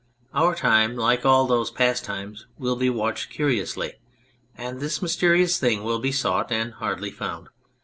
Our time, like all those past times, will be watched curiously, and this mysterious thing will be sought and hardly found.